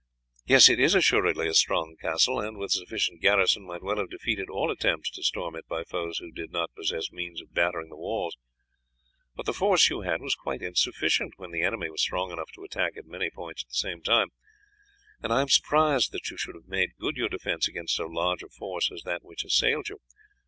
Yes, it is assuredly a strong castle, and with a sufficient garrison might well have defeated all attempts to storm it by foes who did not possess means of battering the walls, but the force you had was quite insufficient when the enemy were strong enough to attack at many points at the same time, and I am surprised that you should have made good your defence against so large a force as that which assailed you.